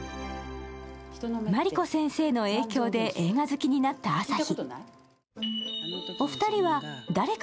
茉莉子先生の影響で映画好きになったあさひ。